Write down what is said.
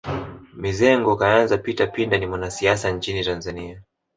Mizengo Kayanza Peter Pinda ni mwanasiasa nchini Tanzania